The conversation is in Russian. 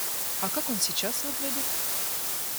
А как он сейчас выглядит?